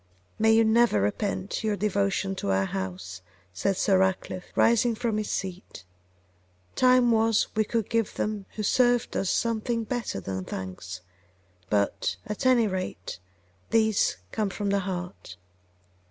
'May you never repent your devotion to our house!' said Sir Ratcliffe, rising from his seat. 'Time was we could give them who served us something better than thanks; but, at any rate, these come from the heart.